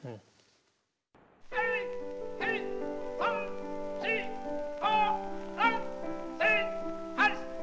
１２３４５６７８。